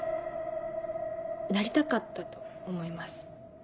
なりたかったと思います。